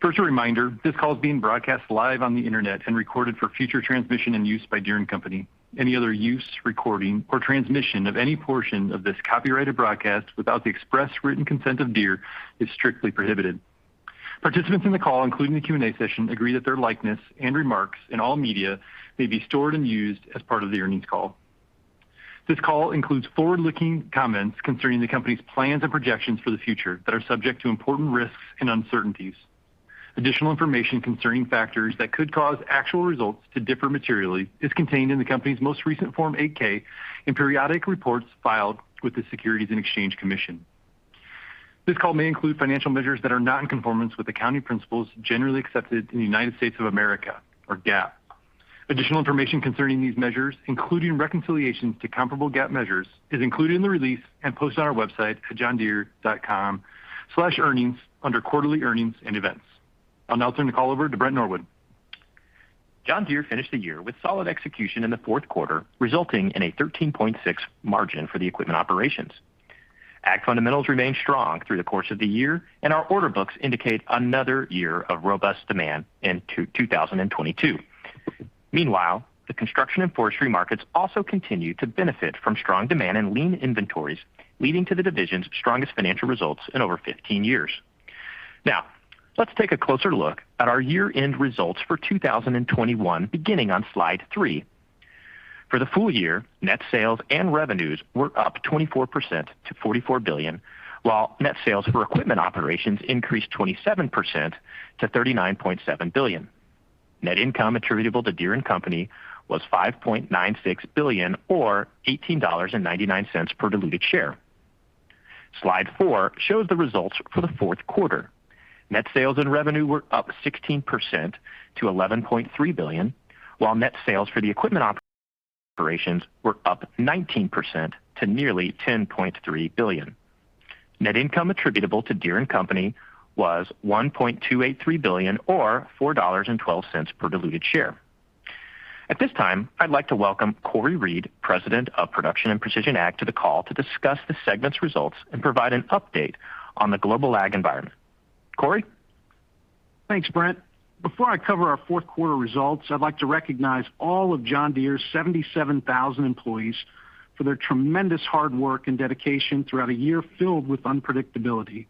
First, a reminder, this call is being broadcast live on the Internet and recorded for future transmission and use by Deere & Company. Any other use, recording, or transmission of any portion of this copyrighted broadcast without the express written consent of Deere is strictly prohibited. Participants in the call, including the Q&A session, agree that their likeness and remarks in all media may be stored and used as part of the earnings call. This call includes forward-looking comments concerning the company's plans and projections for the future that are subject to important risks and uncertainties. Additional information concerning factors that could cause actual results to differ materially is contained in the company's most recent Form 8-K and periodic reports filed with the Securities and Exchange Commission. This call may include financial measures that are not in conformance with accounting principles generally accepted in the United States of America or GAAP. Additional information concerning these measures, including reconciliations to comparable GAAP measures, is included in the release and posted on our website at johndeere.com/earnings under Quarterly Earnings and Events. I'll now turn the call over to Brent Norwood. John Deere finished the year with solid execution in the fourth quarter, resulting in a 13.6% margin for the equipment operations. Ag fundamentals remained strong through the course of the year, and our order books indicate another year of robust demand in 2022. Meanwhile, the construction and forestry markets also continue to benefit from strong demand and lean inventories, leading to the division's strongest financial results in over 15 years. Now, let's take a closer look at our year-end results for 2021 beginning on slide three. For the full year, net sales and revenues were up 24% to $44 billion, while net sales for equipment operations increased 27% to $39.7 billion. Net income attributable to Deere & Company was $5.96 billion or $18.99 per diluted share. Slide four shows the results for the fourth quarter. Net sales and revenue were up 16% to $11.3 billion, while net sales for the equipment operations were up 19% to nearly $10.3 billion. Net income attributable to Deere & Company was $1.283 billion or $4.12 per diluted share. At this time, I'd like to welcome Cory Reed, President, Production and Precision Ag, to the call to discuss the segment's results and provide an update on the global ag environment. Cory? Thanks, Brent. Before I cover our fourth quarter results, I'd like to recognize all of John Deere's 77,000 employees for their tremendous hard work and dedication throughout a year filled with unpredictability.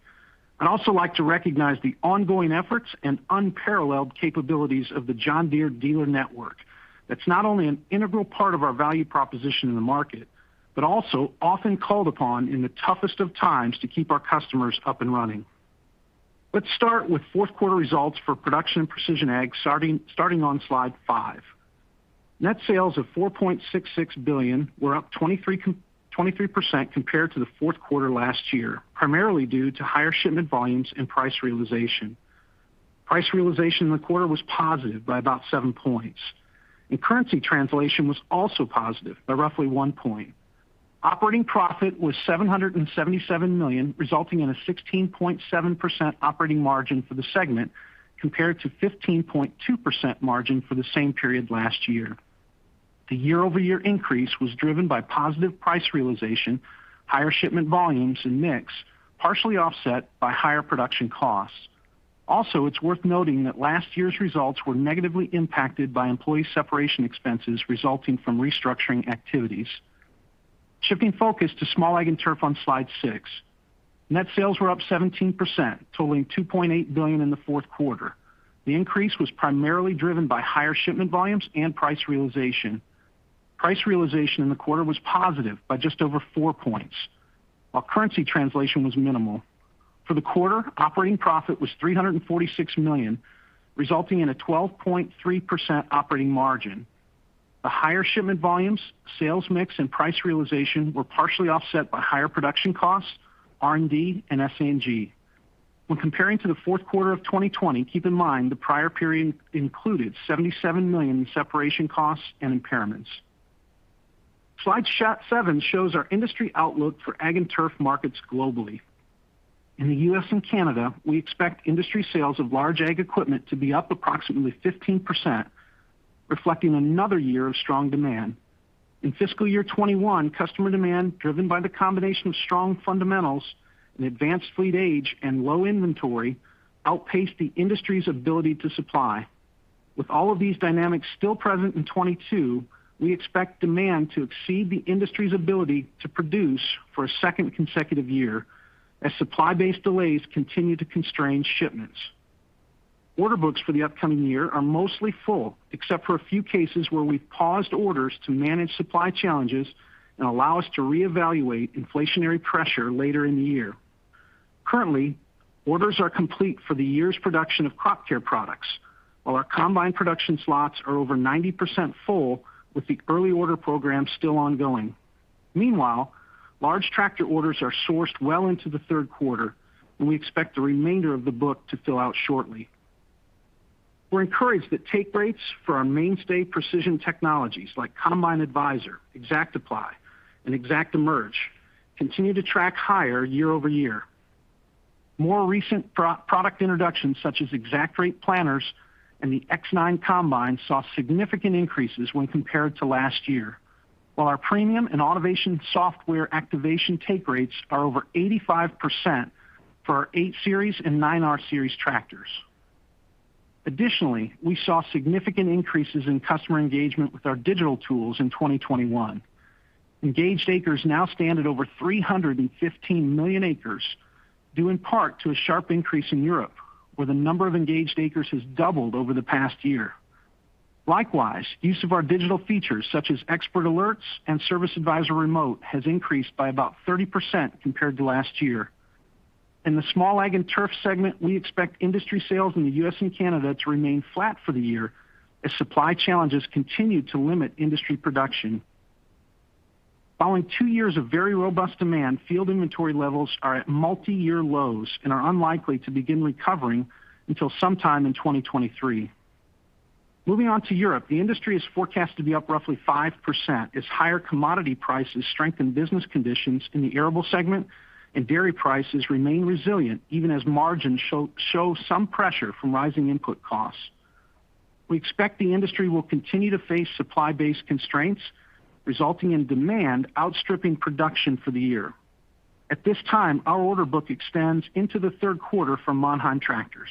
I'd also like to recognize the ongoing efforts and unparalleled capabilities of the John Deere dealer network. That's not only an integral part of our value proposition in the market, but also often called upon in the toughest of times to keep our customers up and running. Let's start with fourth quarter results for Production and Precision Ag on slide five. Net sales of $4.66 billion were up 23% compared to the fourth quarter last year, primarily due to higher shipment volumes and price realization. Price realization in the quarter was positive by about seven points, and currency translation was also positive by roughly one point. Operating profit was $777 million, resulting in a 16.7% operating margin for the segment, compared to 15.2% margin for the same period last year. The year-over-year increase was driven by positive price realization, higher shipment volumes and mix, partially offset by higher production costs. It's worth noting that last year's results were negatively impacted by employee separation expenses resulting from restructuring activities. Shifting focus to Small Ag and Turf on slide six. Net sales were up 17%, totaling $2.8 billion in the fourth quarter. The increase was primarily driven by higher shipment volumes and price realization. Price realization in the quarter was positive by just over four points while currency translation was minimal. For the quarter, operating profit was $346 million, resulting in a 12.3% operating margin. The higher shipment volumes, sales mix, and price realization were partially offset by higher production costs, R&D, and S&G. When comparing to the fourth quarter of 2020, keep in mind the prior period included $77 million in separation costs and impairments. Slide seven shows our industry outlook for ag and turf markets globally. In the U.S. and Canada, we expect industry sales of large ag equipment to be up approximately 15%, reflecting another year of strong demand. In fiscal year 2021, customer demand, driven by the combination of strong fundamentals and advanced fleet age and low inventory, outpaced the industry's ability to supply. With all of these dynamics still present in 2022, we expect demand to exceed the industry's ability to produce for a second consecutive year as supply-based delays continue to constrain shipments. Order books for the upcoming year are mostly full, except for a few cases where we've paused orders to manage supply challenges and allow us to reevaluate inflationary pressure later in the year. Currently, orders are complete for the year's production of crop care products, while our combine production slots are over 90% full with the early order program still ongoing. Meanwhile, large tractor orders are sourced well into the third quarter, and we expect the remainder of the book to fill out shortly. We're encouraged that take rates for our mainstay precision technologies like Combine Advisor, ExactApply, and ExactEmerge continue to track higher year-over-year. More recent new product introductions such as ExactRate Planters and the X9 Combine saw significant increases when compared to last year. Our premium and automation software activation take rates are over 85% for our 8 Series and 9R Series tractors. Additionally, we saw significant increases in customer engagement with our digital tools in 2021. Engaged acres now stand at over 315 million acres, due in part to a sharp increase in Europe, where the number of engaged acres has doubled over the past year. Likewise, use of our digital features such as Expert Alerts and Service ADVISOR Remote has increased by about 30% compared to last year. In the Small Ag and Turf segment, we expect industry sales in the U.S. and Canada to remain flat for the year as supply challenges continue to limit industry production. Following two years of very robust demand, field inventory levels are at multi-year lows and are unlikely to begin recovering until sometime in 2023. Moving on to Europe, the industry is forecast to be up roughly 5% as higher commodity prices strengthen business conditions in the arable segment and dairy prices remain resilient even as margins show some pressure from rising input costs. We expect the industry will continue to face supply-based constraints, resulting in demand outstripping production for the year. At this time, our order book extends into the third quarter for Mannheim tractors.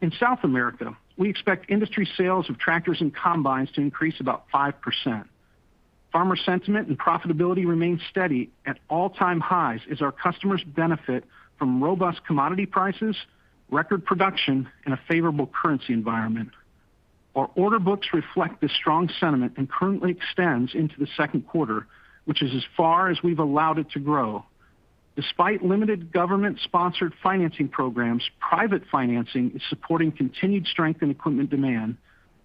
In South America, we expect industry sales of tractors and combines to increase about 5%. Farmer sentiment and profitability remain steady at all-time highs as our customers benefit from robust commodity prices, record production and a favorable currency environment. Our order books reflect this strong sentiment and currently extends into the second quarter, which is as far as we've allowed it to grow. Despite limited government-sponsored financing programs, private financing is supporting continued strength in equipment demand,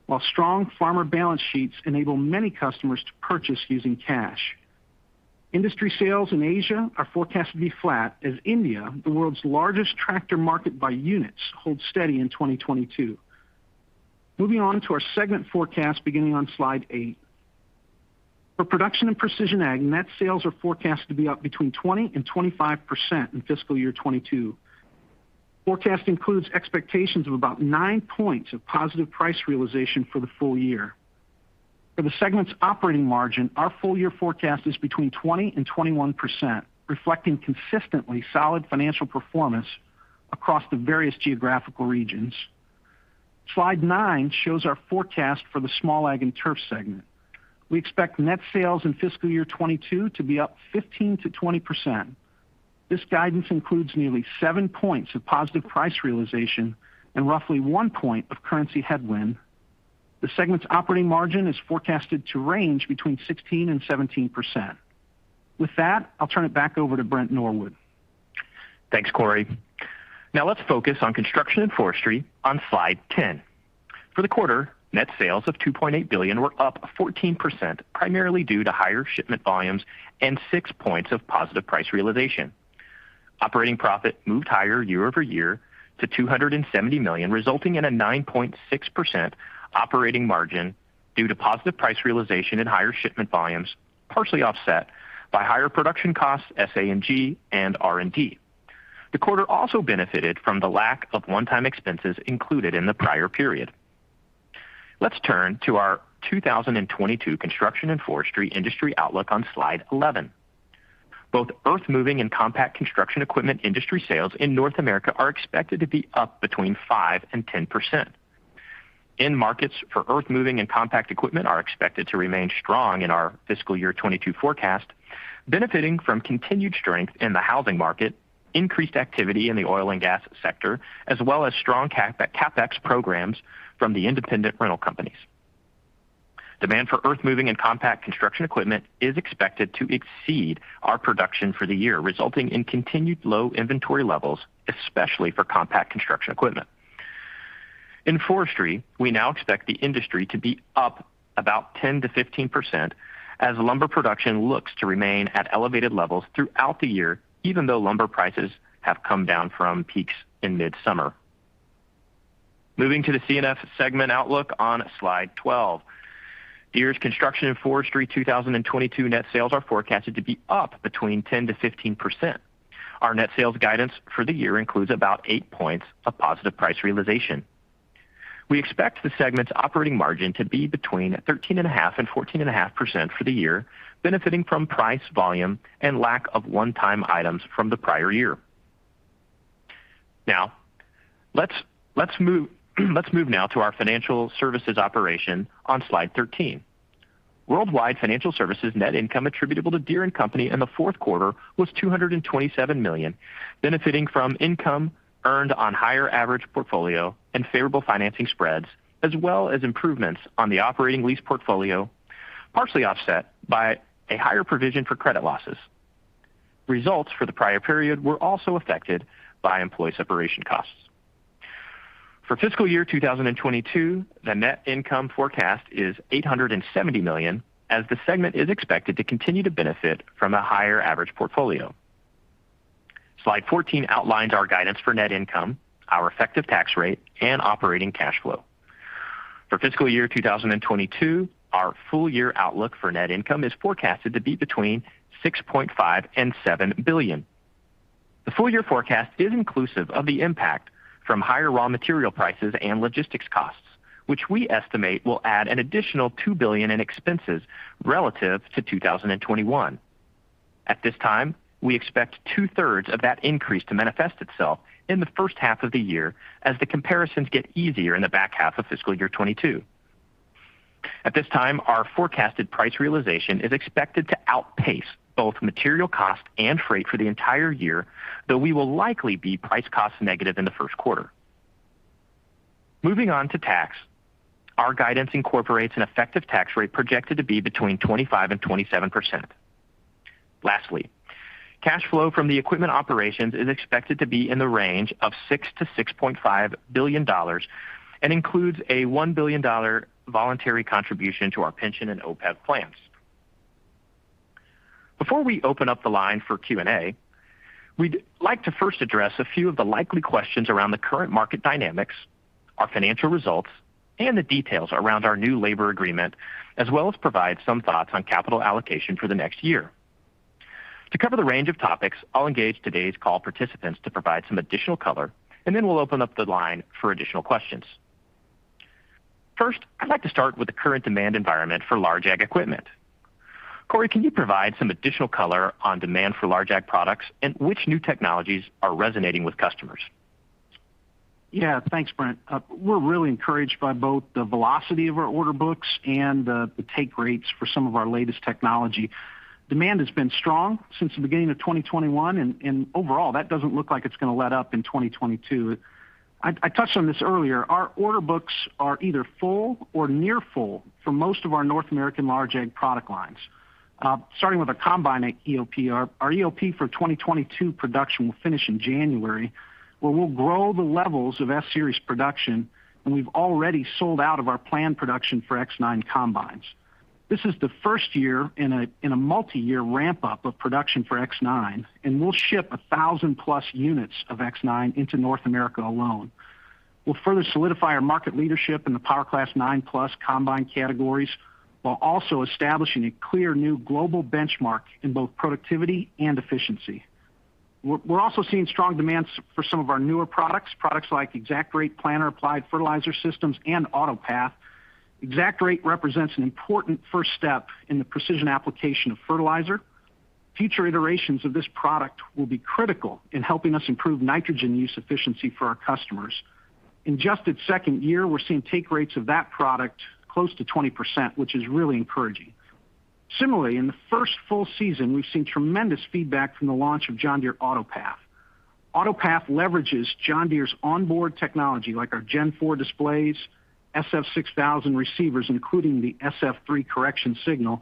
while strong farmer balance sheets enable many customers to purchase using cash. Industry sales in Asia are forecast to be flat as India, the world's largest tractor market by units, holds steady in 2022. Moving on to our segment forecast beginning on slide eight. For Production and Precision Ag, net sales are forecast to be up between 20% and 25% in fiscal year 2022. Forecast includes expectations of about nine points of positive price realization for the full year. For the segment's operating margin, our full year forecast is between 20% and 21%, reflecting consistently solid financial performance across the various geographical regions. Slide nine shows our forecast for the Small Ag and Turf segment. We expect net sales in fiscal year 2022 to be up 15%-20%. This guidance includes nearly seven points of positive price realization and roughly one point of currency headwind. The segment's operating margin is forecasted to range between 16% and 17%. With that, I'll turn it back over to Brent Norwood. Thanks, Cory. Now let's focus on Construction and Forestry on slide ten. For the quarter, net sales of $2.8 billion were up 14% primarily due to higher shipment volumes and six points of positive price realization. Operating profit moved higher year-over-year to $270 million, resulting in a 9.6% operating margin due to positive price realization and higher shipment volumes, partially offset by higher production costs, SA&G, and R&D. The quarter also benefited from the lack of one-time expenses included in the prior period. Let's turn to our 2022 Construction and Forestry industry outlook on slide eleven. Both earthmoving and compact construction equipment industry sales in North America are expected to be up between 5% and 10%. End markets for earthmoving and compact equipment are expected to remain strong in our fiscal year 2022 forecast, benefiting from continued strength in the housing market, increased activity in the oil and gas sector, as well as strong CapEx programs from the independent rental companies. Demand for earthmoving and compact construction equipment is expected to exceed our production for the year, resulting in continued low inventory levels, especially for compact construction equipment. In forestry, we now expect the industry to be up about 10%-15% as lumber production looks to remain at elevated levels throughout the year, even though lumber prices have come down from peaks in mid-summer. Moving to the C&F segment outlook on slide 12. Deere's Construction and Forestry 2022 net sales are forecasted to be up between 10%-15%. Our net sales guidance for the year includes about eight points of positive price realization. We expect the segment's operating margin to be between 13.5% and 14.5% for the year, benefiting from price, volume, and lack of one-time items from the prior year. Now, let's move now to our financial services operation on slide 13. Worldwide financial services net income attributable to Deere & Company in the fourth quarter was $227 million, benefiting from income earned on higher average portfolio and favorable financing spreads, as well as improvements on the operating lease portfolio, partially offset by a higher provision for credit losses. Results for the prior period were also affected by employee separation costs. For fiscal year 2022, the net income forecast is $870 million, as the segment is expected to continue to benefit from a higher average portfolio. Slide 14 outlines our guidance for net income, our effective tax rate, and operating cash flow. For fiscal year 2022, our full year outlook for net income is forecasted to be between $6.5 billion and $7 billion. The full year forecast is inclusive of the impact from higher raw material prices and logistics costs, which we estimate will add an additional $2 billion in expenses relative to 2021. At this time, we expect two-thirds of that increase to manifest itself in the first half of the year as the comparisons get easier in the back half of fiscal year 2022. At this time, our forecasted price realization is expected to outpace both material cost and freight for the entire year, though we will likely be price cost negative in the first quarter. Moving on to tax. Our guidance incorporates an effective tax rate projected to be between 25% and 27%. Lastly, cash flow from the equipment operations is expected to be in the range of $6 billion-$6.5 billion and includes a $1 billion voluntary contribution to our pension and OPEB plans. Before we open up the line for Q&A, we'd like to first address a few of the likely questions around the current market dynamics, our financial results, and the details around our new labor agreement, as well as provide some thoughts on capital allocation for the next year. To cover the range of topics, I'll engage today's call participants to provide some additional color, and then we'll open up the line for additional questions. First, I'd like to start with the current demand environment for large ag equipment. Cory, can you provide some additional color on demand for large ag products and which new technologies are resonating with customers? Yeah. Thanks, Brent. We're really encouraged by both the velocity of our order books and the take rates for some of our latest technology. Demand has been strong since the beginning of 2021, and overall, that doesn't look like it's gonna let up in 2022. I touched on this earlier. Our order books are either full or near full for most of our North American large ag product lines. Starting with our combine EOP. Our EOP for 2022 production will finish in January, where we'll grow the levels of S Series production, and we've already sold out of our planned production for X9 combines. This is the first year in a multiyear ramp-up of production for X9, and we'll ship 1,000+ units of X9 into North America alone. We'll further solidify our market leadership in the power class 9-plus combine categories while also establishing a clear new global benchmark in both productivity and efficiency. We're also seeing strong demand for some of our newer products like ExactRate Planter-Applied Fertilizer Systems and AutoPath. ExactRate represents an important first step in the precision application of fertilizer. Future iterations of this product will be critical in helping us improve nitrogen use efficiency for our customers. In just its second year, we're seeing take rates of that product close to 20%, which is really encouraging. Similarly, in the first full season, we've seen tremendous feedback from the launch of John Deere AutoPath. AutoPath leverages John Deere's onboard technology, like our Gen4 displays, StarFire 6000 receivers, including the SF3 correction signal,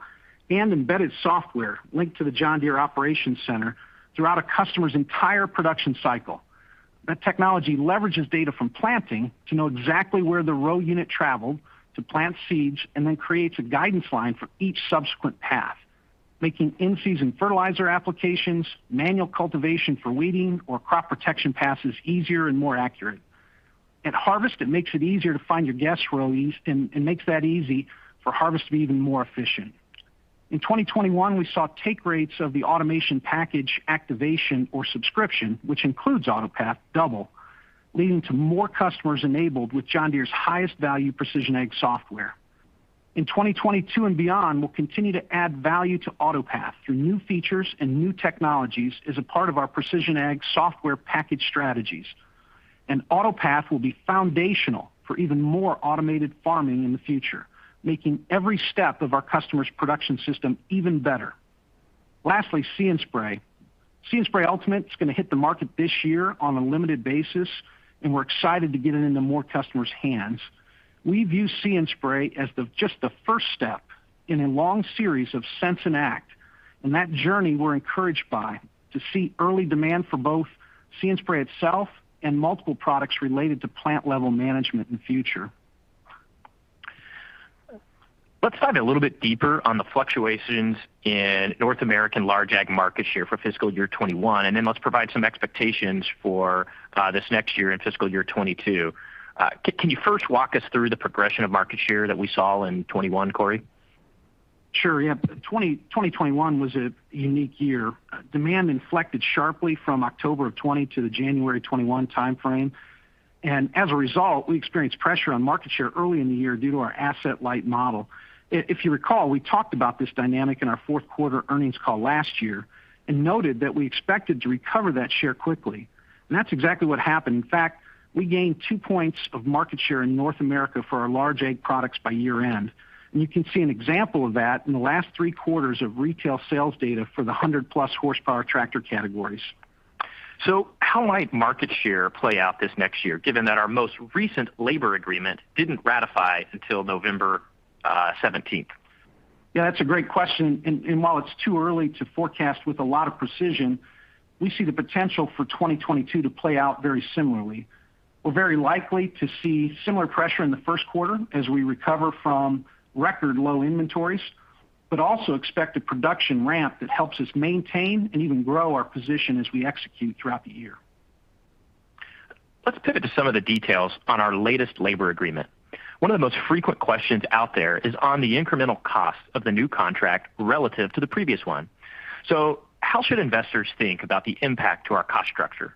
and embedded software linked to the John Deere Operations Center throughout a customer's entire production cycle. That technology leverages data from planting to know exactly where the row unit traveled to plant seeds and then creates a guidance line for each subsequent path, making in-season fertilizer applications, manual cultivation for weeding, or crop protection passes easier and more accurate. At harvest, it makes it easier to find your guess rows and makes harvest even more efficient. In 2021, we saw take rates of the automation package activation or subscription, which includes AutoPath, double, leading to more customers enabled with John Deere's highest value precision ag software. In 2022 and beyond, we'll continue to add value to AutoPath through new features and new technologies as a part of our precision ag software package strategies. AutoPath will be foundational for even more automated farming in the future, making every step of our customers' production system even better. Lastly, See & Spray. See & Spray Ultimate is gonna hit the market this year on a limited basis, and we're excited to get it into more customers' hands. We view See & Spray as just the first step in a long series of sense and act, and that journey we're encouraged by to see early demand for See & Spray itself and multiple products related to plant-level management in the future. Let's dive a little bit deeper on the fluctuations in North American large ag market share for fiscal year 2021, and then let's provide some expectations for this next year in fiscal year 2022. Can you first walk us through the progression of market share that we saw in 2021, Cory? Sure. Yeah. 2021 was a unique year. Demand inflected sharply from October of 2020 to the January 2021 timeframe. As a result, we experienced pressure on market share early in the year due to our asset-light model. If you recall, we talked about this dynamic in our fourth quarter earnings call last year and noted that we expected to recover that share quickly. That's exactly what happened. In fact, we gained two points of market share in North America for our large ag products by year-end. You can see an example of that in the last three quarters of retail sales data for the 100+ horsepower tractor categories. How might market share play out this next year, given that our most recent labor agreement didn't ratify until November seventeenth? Yeah, that's a great question. While it's too early to forecast with a lot of precision, we see the potential for 2022 to play out very similarly. We're very likely to see similar pressure in the first quarter as we recover from record low inventories, but also expect a production ramp that helps us maintain and even grow our position as we execute throughout the year. Let's pivot to some of the details on our latest labor agreement. One of the most frequent questions out there is on the incremental cost of the new contract relative to the previous one. How should investors think about the impact to our cost structure?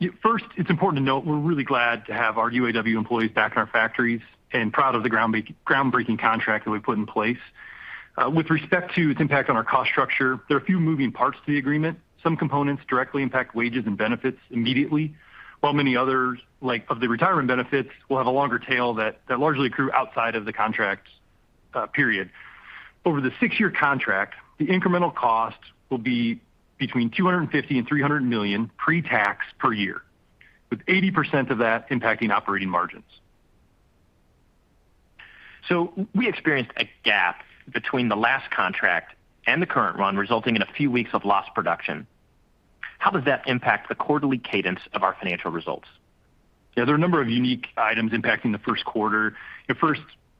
Yeah. First, it's important to note we're really glad to have our UAW employees back in our factories and proud of the groundbreaking contract that we put in place. With respect to its impact on our cost structure, there are a few moving parts to the agreement. Some components directly impact wages and benefits immediately, while many others, like the retirement benefits, will have a longer tail that largely accrue outside of the contract period. Over the 6-year contract, the incremental cost will be between $250 million and $300 million pre-tax per year, with 80% of that impacting operating margins. We experienced a gap between the last contract and the current one, resulting in a few weeks of lost production. How does that impact the quarterly cadence of our financial results? Yeah, there are a number of unique items impacting the first quarter. If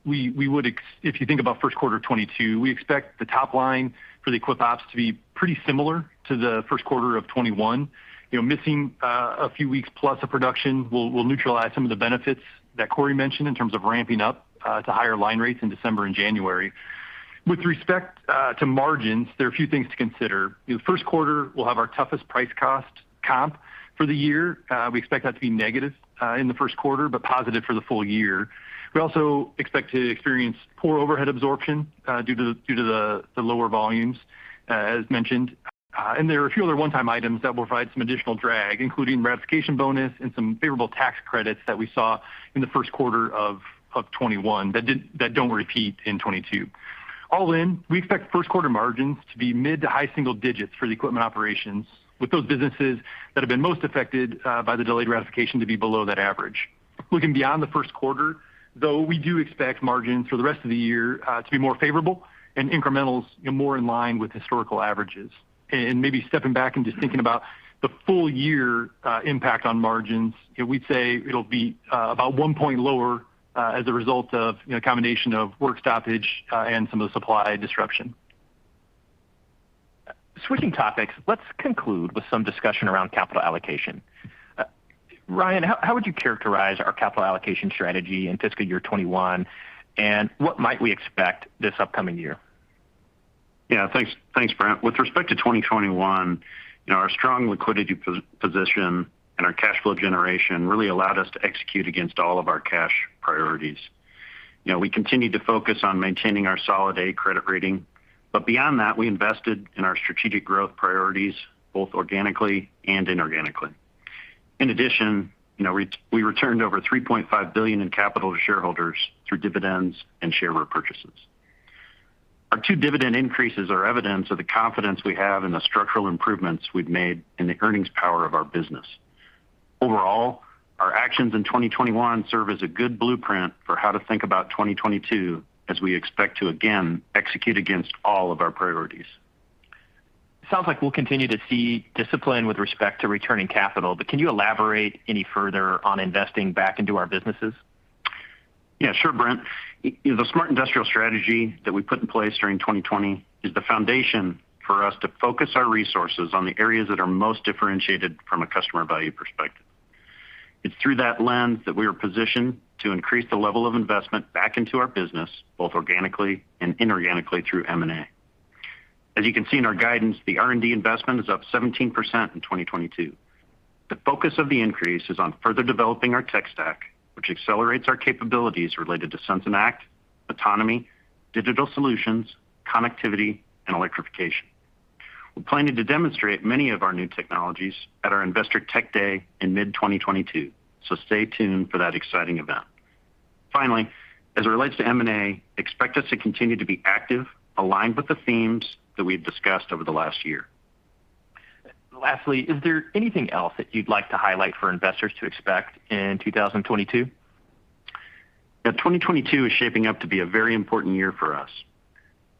you think about first quarter 2022, we expect the top line for the equip ops to be pretty similar to the first quarter of 2021. You know, missing a few weeks plus of production will neutralize some of the benefits that Cory mentioned in terms of ramping up to higher line rates in December and January. With respect to margins, there are a few things to consider. You know, first quarter, we'll have our toughest price/cost comp for the year. We expect that to be negative in the first quarter, but positive for the full year. We also expect to experience poor overhead absorption due to the lower volumes, as mentioned. There are a few other one-time items that will provide some additional drag, including ratification bonus and some favorable tax credits that we saw in the first quarter of 2021 that don't repeat in 2022. All in, we expect first quarter margins to be mid- to high-single digits for the equipment operations with those businesses that have been most affected by the delayed ratification to be below that average. Looking beyond the first quarter, though, we do expect margins for the rest of the year to be more favorable and incrementals, you know, more in line with historical averages. Maybe stepping back and just thinking about the full year impact on margins, you know, we'd say it'll be about 1% lower as a result of, you know, a combination of work stoppage and some of the supply disruption. Switching topics, let's conclude with some discussion around capital allocation. Ryan, how would you characterize our capital allocation strategy in fiscal year 2021, and what might we expect this upcoming year? Yeah, thanks, Brent. With respect to 2021, you know, our strong liquidity position and our cash flow generation really allowed us to execute against all of our cash priorities. You know, we continued to focus on maintaining our solid A credit rating. Beyond that, we invested in our strategic growth priorities, both organically and inorganically. In addition, you know, we returned over $3.5 billion in capital to shareholders through dividends and share repurchases. Our two dividend increases are evidence of the confidence we have in the structural improvements we've made in the earnings power of our business. Overall, our actions in 2021 serve as a good blueprint for how to think about 2022 as we expect to again execute against all of our priorities. Sounds like we'll continue to see discipline with respect to returning capital, but can you elaborate any further on investing back into our businesses? Yeah, sure, Brent. You know, the Smart Industrial strategy that we put in place during 2020 is the foundation for us to focus our resources on the areas that are most differentiated from a customer value perspective. It's through that lens that we are positioned to increase the level of investment back into our business, both organically and inorganically through M&A. As you can see in our guidance, the R&D investment is up 17% in 2022. The focus of the increase is on further developing our tech stack, which accelerates our capabilities related to sense and act, autonomy, digital solutions, connectivity, and electrification. We're planning to demonstrate many of our new technologies at our Investor Day in mid-2022, so stay tuned for that exciting event. Finally, as it relates to M&A, expect us to continue to be active, aligned with the themes that we've discussed over the last year. Lastly, is there anything else that you'd like to highlight for investors to expect in 2022? Yeah. 2022 is shaping up to be a very important year for us.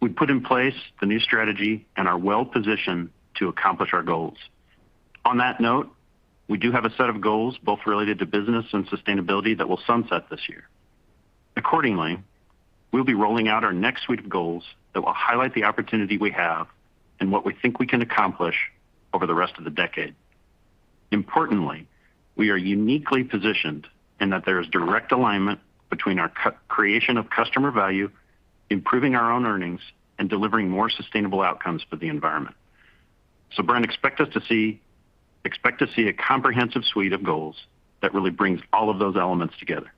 We've put in place the new strategy and are well-positioned to accomplish our goals. On that note, we do have a set of goals both related to business and sustainability that will sunset this year. Accordingly, we'll be rolling out our next suite of goals that will highlight the opportunity we have and what we think we can accomplish over the rest of the decade. Importantly, we are uniquely positioned in that there is direct alignment between our co-creation of customer value, improving our own earnings, and delivering more sustainable outcomes for the environment. Brent, expect to see a comprehensive suite of goals that really brings all of those elements together.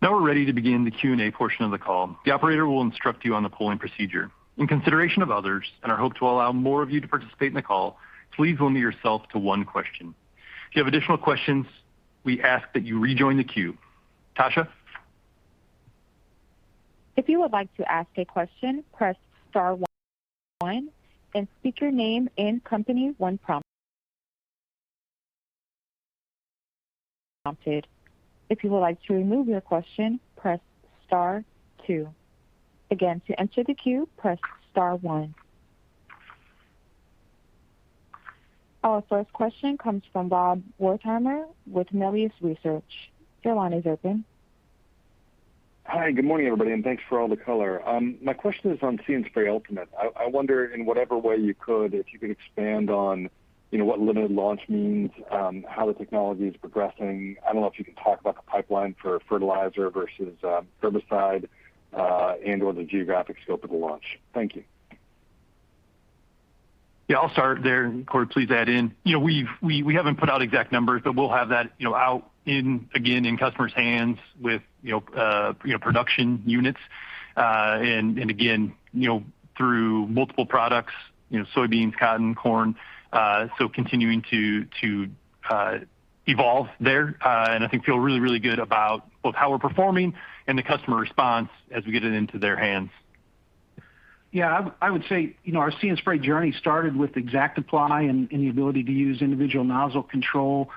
Now we're ready to begin the Q&A portion of the call. The operator will instruct you on the polling procedure. In consideration of others and our hope to allow more of you to participate in the call, please limit yourself to one question. If you have additional questions, we ask that you rejoin the queue. Tasha? Our first question comes from Rob Wertheimer with Melius Research. Your line is open. Hi, good morning, everybody, and thanks for all the color. My question is on See & Spray Ultimate. I wonder, in whatever way you could, if you could expand on, you know, what limited launch means, how the technology is progressing. I don't know if you can talk about the pipeline for fertilizer versus herbicide, and/or the geographic scope of the launch. Thank you. Yeah, I'll start there. Cory, please add in. You know, we haven't put out exact numbers, but we'll have that, you know, out in, again, in customers' hands with, you know, production units. And again, you know, through multiple products, you know, soybeans, cotton, corn. Continuing to evolve there, and I think we feel really good about both how we're performing and the customer response as we get it into their hands. Yeah. I would say, you know, our See & Spray journey started with ExactApply and the ability to use individual nozzle control.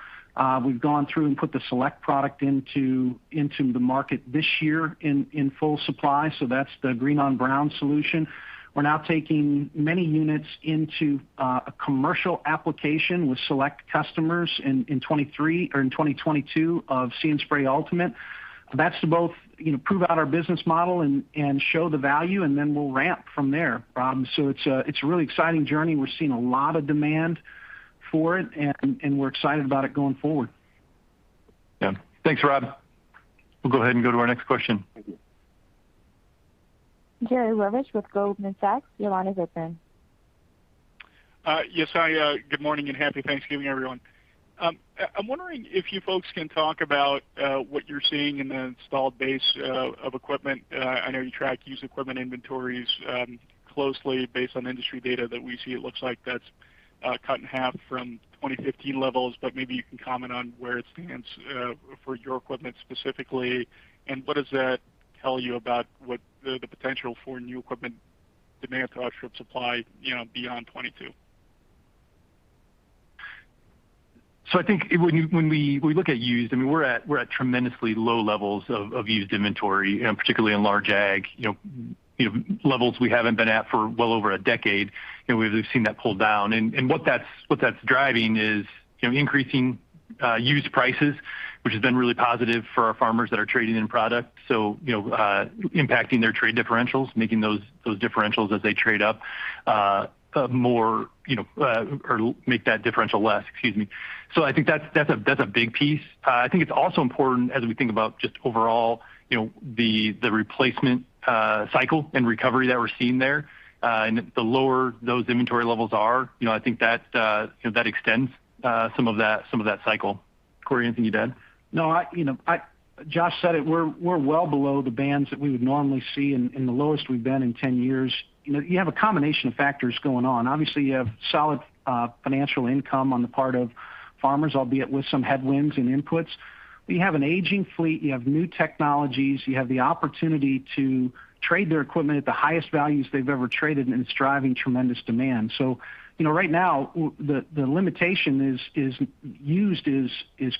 We've gone through and put the Select product into the market this year in full supply, so that's the green-on-brown solution. We're now taking many units into a commercial application with Select customers in 2023 or in 2022 of See & Spray Ultimate. That's to both, you know, prove out our business model and show the value, and then we'll ramp from there, so it's a really exciting journey. We're seeing a lot of demand for it and we're excited about it going forward. Yeah. Thanks, Rob. We'll go ahead and go to our next question. Thank you. Jerry Revich with Goldman Sachs. Your line is open. Yes. Hi, good morning and happy Thanksgiving, everyone. I'm wondering if you folks can talk about what you're seeing in the installed base of equipment. I know you track used equipment inventories closely based on industry data that we see. It looks like that's cut in half from 2015 levels, but maybe you can comment on where it stands for your equipment specifically. What does that tell you about what the potential for new equipment demand to offset supply, you know, beyond 2022? I think when we look at used, I mean, we're at tremendously low levels of used inventory, you know, particularly in large ag. You know, levels we haven't been at for well over a decade. You know, we've seen that pull down. What that's driving is, you know, increasing used prices, which has been really positive for our farmers that are trading in product. You know, impacting their trade differentials, making those differentials as they trade up more, you know, or make that differential less, excuse me. I think that's a big piece. I think it's also important as we think about just overall, you know, the replacement cycle and recovery that we're seeing there. The lower those inventory levels are, you know, I think that, you know, that extends some of that cycle. Cory, anything you'd add? No, you know, Josh said it. We're well below the bands that we would normally see and the lowest we've been in 10 years. You know, you have a combination of factors going on. Obviously, you have solid farm income on the part of farmers, albeit with some headwinds and inputs. We have an aging fleet. You have new technologies. You have the opportunity to trade their equipment at the highest values they've ever traded, and it's driving tremendous demand. You know, right now the limitation is used,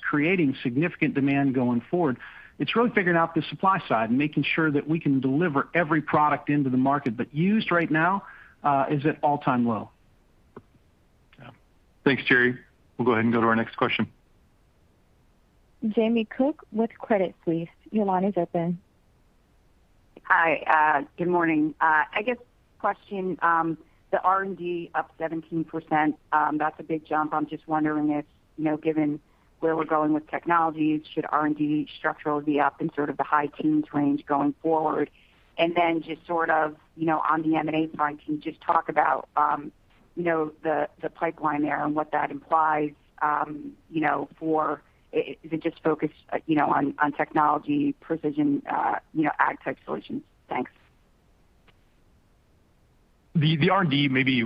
creating significant demand going forward. It's really figuring out the supply side and making sure that we can deliver every product into the market, but used right now is at all-time low. Yeah. Thanks, Jerry. We'll go ahead and go to our next question. Jamie Cook with Credit Suisse. Your line is open. Hi. Good morning. I guess question, the R&D up 17%, that's a big jump. I'm just wondering if, you know, given where we're going with technologies, should R&D structurally be up in sort of the high teens range going forward? Then just sort of, you know, on the M&A front, can you just talk about the pipeline there and what that implies, you know, for... Is it just focused, you know, on technology, precision ag tech solutions? Thanks. The R&D, maybe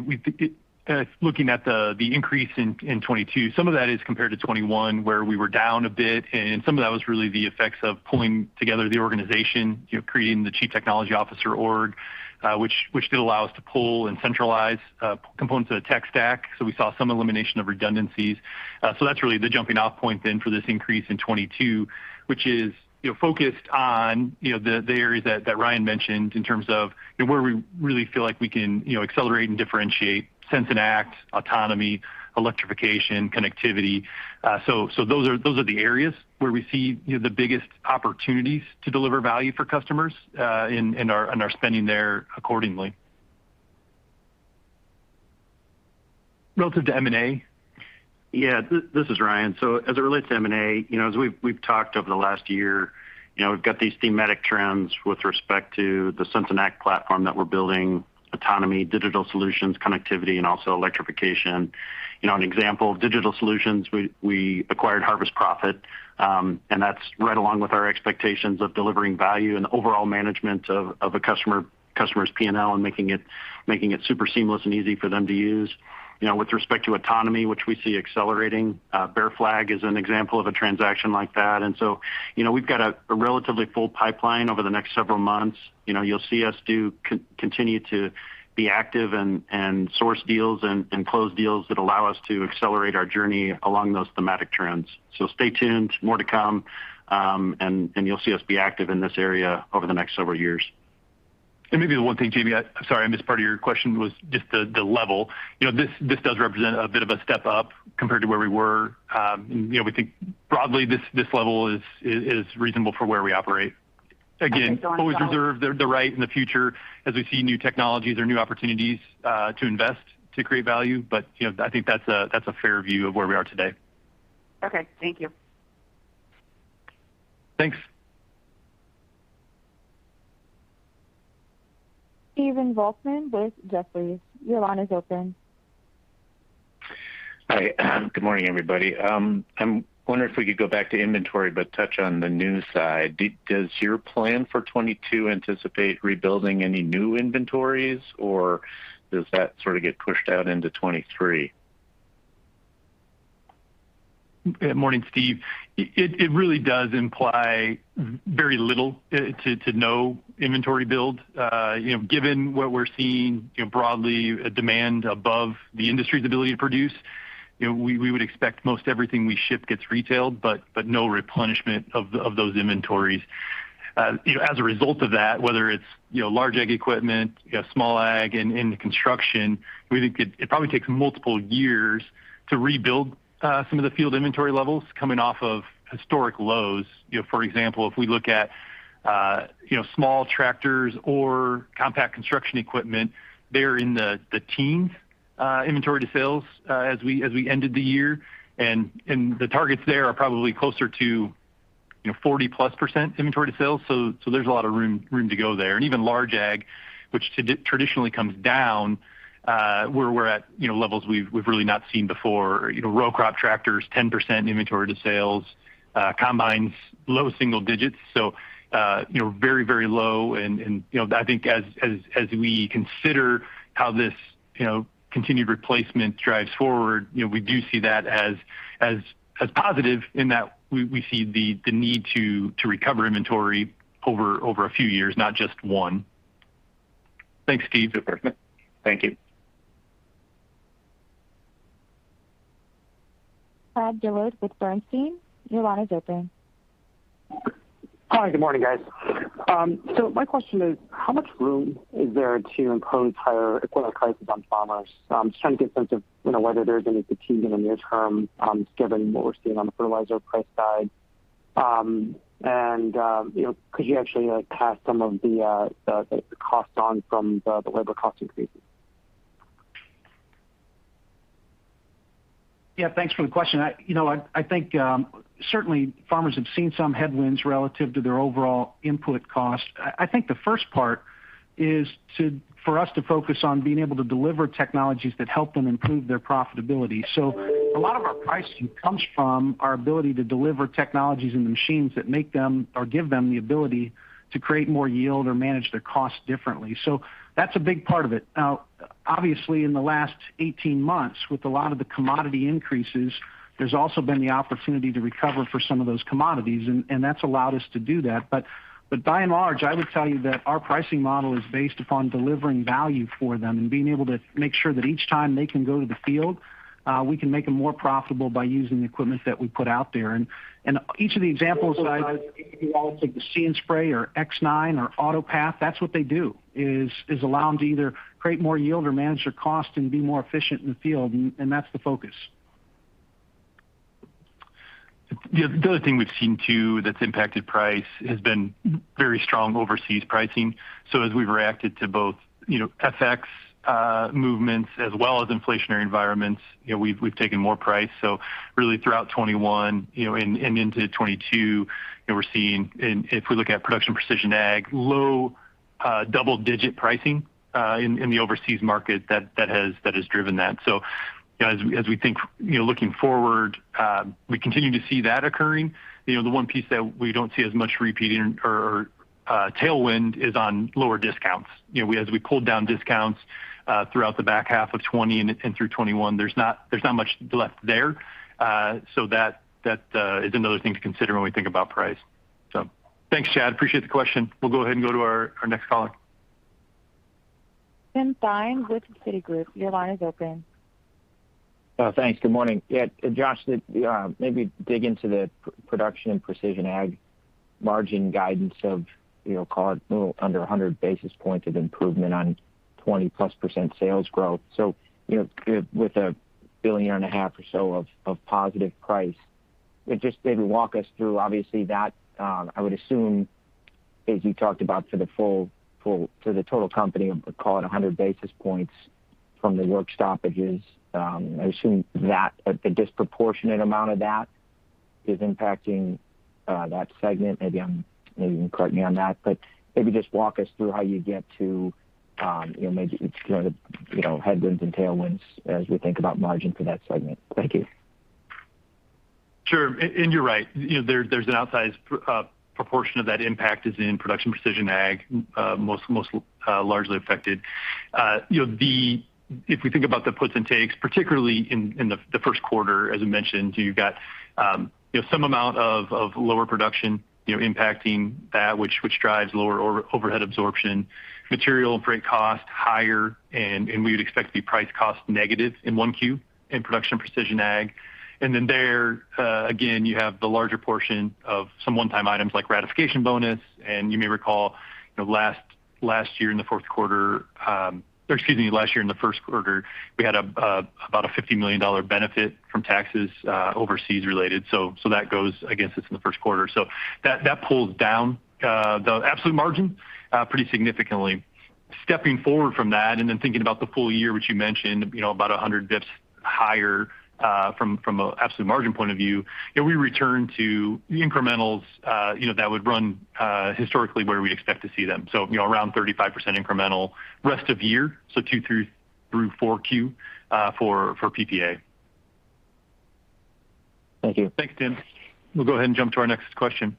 it's looking at the increase in 2022. Some of that is compared to 2021, where we were down a bit, and some of that was really the effects of pulling together the organization, you know, creating the chief technology officer org, which did allow us to pull and centralize components of the tech stack. We saw some elimination of redundancies. That's really the jumping off point then for this increase in 2022, which is, you know, focused on, you know, the areas that Ryan mentioned in terms of, you know, where we really feel like we can, you know, accelerate and differentiate sense and act, autonomy, electrification, connectivity. Those are the areas where we see, you know, the biggest opportunities to deliver value for customers, and are spending there accordingly. Relative to M&A? Yeah. This is Ryan. As it relates to M&A, you know, as we've talked over the last year, you know, we've got these thematic trends with respect to the sense and act platform that we're building, autonomy, digital solutions, connectivity, and also electrification. You know, an example of digital solutions, we acquired Harvest Profit, and that's right along with our expectations of delivering value and overall management of a customer's P&L and making it super seamless and easy for them to use. You know, with respect to autonomy, which we see accelerating, Bear Flag is an example of a transaction like that. You know, we've got a relatively full pipeline over the next several months. You know, you'll see us continue to be active and source deals and close deals that allow us to accelerate our journey along those thematic trends. So stay tuned. More to come. You'll see us be active in this area over the next several years. Maybe the one thing, Jamie, I'm sorry, I missed part of your question, was just the level. You know, this does represent a bit of a step up compared to where we were. You know, we think broadly this level is reasonable for where we operate. Okay. Again, always reserve the right in the future as we see new technologies or new opportunities to invest to create value. You know, I think that's a fair view of where we are today. Okay. Thank you. Thanks. Stephen Volkmann with Jefferies. Your line is open. Hi. Good morning, everybody. I'm wondering if we could go back to inventory, but touch on the new side. Does your plan for 2022 anticipate rebuilding any new inventories, or does that sort of get pushed out into 2023? Good morning, Steve. It really does imply very little to no inventory build. You know, given what we're seeing, you know, broadly a demand above the industry's ability to produce, you know, we would expect most everything we ship gets retailed, but no replenishment of those inventories. You know, as a result of that, whether it's you know, large ag equipment, you know, small ag in the construction, we think it probably takes multiple years to rebuild some of the field inventory levels coming off of historic lows. You know, for example, if we look at you know, small tractors or compact construction equipment, they're in the teens inventory to sales as we ended the year. The targets there are probably closer to you know, 40+% inventory to sales. There's a lot of room to go there. Even large ag, which traditionally comes down, we're at, you know, levels we've really not seen before. You know, row crop tractors, 10% inventory to sales. Combines, low single digits%. You know, very low and, you know, I think as we consider how this continued replacement drives forward, you know, we do see that as positive in that we see the need to recover inventory over a few years, not just one. Thanks, Steve. Thank you. Chad Dillard with Bernstein. Your line is open. Hi. Good morning, guys. My question is, how much room is there to impose higher equipment prices on farmers? Just trying to get a sense of, you know, whether there's any fatigue in the near term, given what we're seeing on the fertilizer price side. You know, could you actually pass some of the costs on from the labor cost increases? Yeah, thanks for the question. I, you know, I think certainly farmers have seen some headwinds relative to their overall input costs. I think the first part is for us to focus on being able to deliver technologies that help them improve their profitability. A lot of our pricing comes from our ability to deliver technologies in the machines that make them or give them the ability to create more yield or manage their costs differently. That's a big part of it. Now, obviously, in the last 18 months, with a lot of the commodity increases, there's also been the opportunity to recover for some of those commodities, and that's allowed us to do that. By and large, I would tell you that our pricing model is based upon delivering value for them and being able to make sure that each time they can go to the field, we can make them more profitable by using the equipment that we put out there. Each of the examples like the See & Spray or X9 or AutoPath, that's what they do, is allow them to either create more yield or manage their cost and be more efficient in the field. That's the focus. The other thing we've seen too that's impacted price has been very strong overseas pricing. As we've reacted to both, you know, FX movements as well as inflationary environments, you know, we've taken more price. Really throughout 2021, you know, and into 2022, you know, we're seeing if we look at Production and Precision Ag, low double-digit pricing in the overseas market that has driven that. You know, as we think, you know, looking forward, we continue to see that occurring. You know, the one piece that we don't see as much repeating or tailwind is on lower discounts. You know, as we pulled down discounts throughout the back half of 2020 and through 2021, there's not much left there. That is another thing to consider when we think about price. Thanks, Chad. Appreciate the question. We'll go ahead and go to our next caller. Tim Thein with Citi. Your line is open. Thanks. Good morning. Yeah, Josh, maybe dig into the Production and Precision Ag margin guidance of, you know, call it, you know, under 100 basis points of improvement on 20%+ sales growth. You know, with $1.5 billion or so of positive price. If you just maybe walk us through obviously that, I would assume as you talked about for the full for the total company, call it 100 basis points from the work stoppages. I assume that a disproportionate amount of that is impacting that segment. Maybe you can correct me on that. But maybe just walk us through how you get to, you know, maybe sort of, you know, headwinds and tailwinds as we think about margin for that segment. Thank you. Sure. You're right. You know, there's an outsized proportion of that impact is in Production Precision Ag, most largely affected. You know, if we think about the puts and takes, particularly in the first quarter, as you mentioned, you've got some amount of lower production impacting that which drives lower overhead absorption. Material freight cost higher, and we would expect to be price-cost negative in 1Q in Production Precision Ag. Then, again, you have the larger portion of some one-time items like ratification bonus. You may recall, last year in the fourth quarter, or excuse me, last year in the first quarter, we had about a $50 million benefit from taxes overseas related. That goes against us in the first quarter. That pulls down the absolute margin pretty significantly. Stepping forward from that and then thinking about the full year, which you mentioned, you know, about 100 bps higher, from an absolute margin point of view, yeah, we return to the incrementals, you know, that would run historically where we expect to see them. You know, around 35% incremental rest of year, Q2 through Q4, for PPA. Thank you. Thanks, Tim. We'll go ahead and jump to our next question.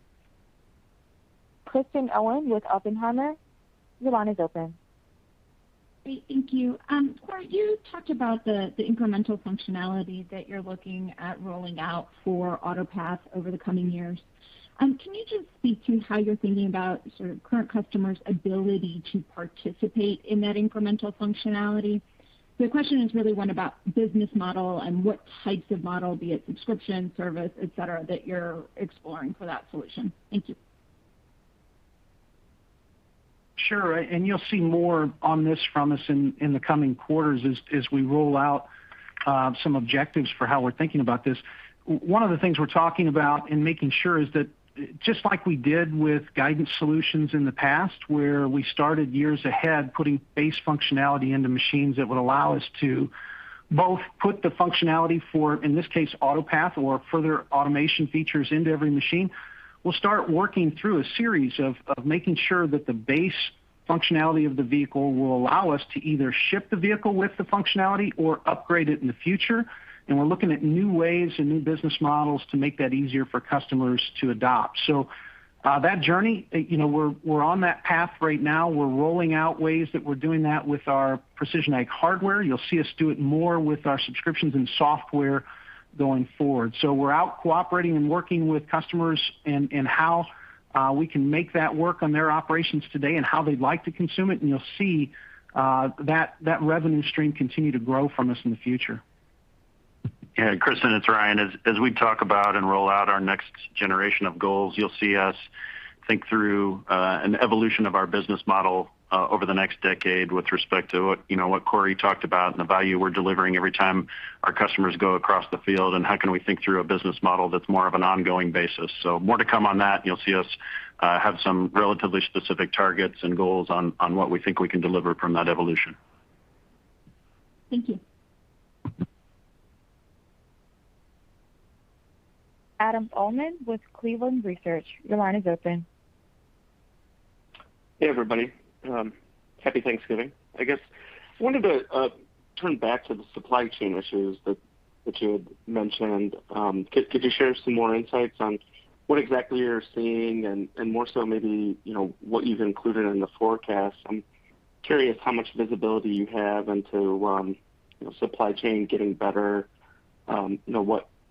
Kristen Owen with Oppenheimer. Your line is open. Great. Thank you. Cory, you talked about the incremental functionality that you're looking at rolling out for AutoPath over the coming years. Can you just speak to how you're thinking about sort of current customers' ability to participate in that incremental functionality? The question is really one about business model and what types of model, be it subscription service, et cetera, that you're exploring for that solution. Thank you. Sure. You'll see more on this from us in the coming quarters as we roll out some objectives for how we're thinking about this. One of the things we're talking about and making sure is that just like we did with guidance solutions in the past, where we started years ahead putting base functionality into machines that would allow us to both put the functionality for, in this case, AutoPath or further automation features into every machine. We'll start working through a series of making sure that the base functionality of the vehicle will allow us to either ship the vehicle with the functionality or upgrade it in the future. We're looking at new ways and new business models to make that easier for customers to adopt. That journey, you know, we're on that path right now. We're rolling out ways that we're doing that with our Precision Ag hardware. You'll see us do it more with our subscriptions and software going forward. We're out cooperating and working with customers and how we can make that work on their operations today and how they'd like to consume it. You'll see that revenue stream continue to grow from us in the future. Yeah, Kristen, it's Ryan. As we talk about and roll out our next generation of goals, you'll see us think through an evolution of our business model over the next decade with respect to what, you know, what Cory talked about and the value we're delivering every time our customers go across the field, and how can we think through a business model that's more of an ongoing basis. More to come on that, and you'll see us have some relatively specific targets and goals on what we think we can deliver from that evolution. Thank you. Adam Uhlman with Cleveland Research. Your line is open. Hey, everybody. Happy Thanksgiving, I guess. I wanted to turn back to the supply chain issues that you had mentioned. Could you share some more insights on what exactly you're seeing and more so maybe, you know, what you've included in the forecast? I'm curious how much visibility you have into, you know, supply chain getting better. You know,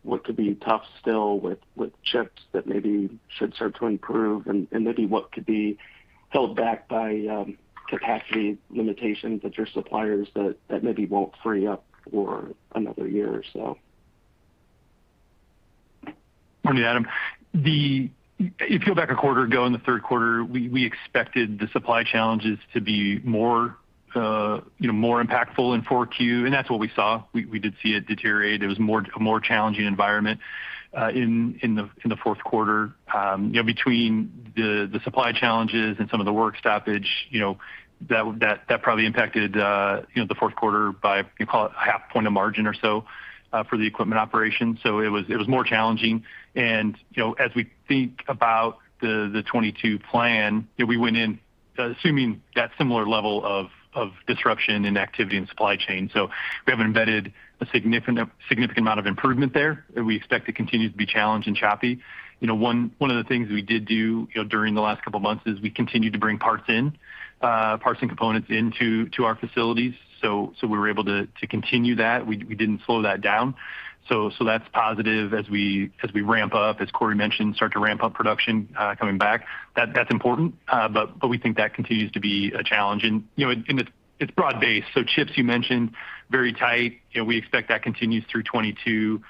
what could be tough still with chips that maybe should start to improve and maybe what could be held back by capacity limitations at your suppliers that maybe won't free up for another year or so. Morning, Adam. If you go back a quarter ago in the third quarter, we expected the supply challenges to be more, you know, more impactful in Q4, and that's what we saw. We did see it deteriorate. It was a more challenging environment in the fourth quarter. You know, between the supply challenges and some of the work stoppage, you know, that probably impacted the fourth quarter by, you can call it a half point of margin or so, for the equipment operation. It was more challenging. You know, as we think about the 2022 plan, you know, we went in assuming that similar level of disruption in activity and supply chain. We haven't embedded a significant amount of improvement there. We expect to continue to be challenged and choppy. You know, one of the things we did do, you know, during the last couple months is we continued to bring parts in, parts and components into our facilities. We were able to continue that. We didn't slow that down. That's positive as we ramp up, as Cory mentioned, start to ramp up production coming back. That's important. We think that continues to be a challenge. It's broad-based. Chips you mentioned, very tight. You know, we expect that continues through 2022.